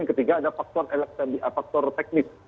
ketiga ada faktor teknis